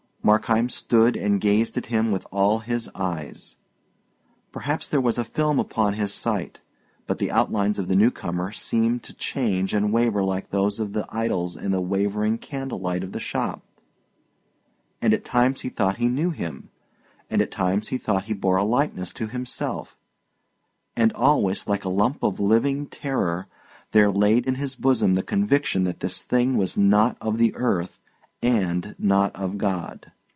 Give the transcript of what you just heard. Markheim stood and gazed at him with all his eyes. Perhaps there was a film upon his sight, but the outlines of the new comer seemed to change and waver like those of the idols in the wavering candle light of the shop; and at times he thought he knew him; and at times he thought he bore a likeness to himself; and always, like a lump of living terror, there lay in his bosom the conviction that this thing was not of the earth and not of God.